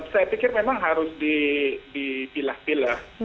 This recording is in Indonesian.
saya pikir memang harus dipilah pilah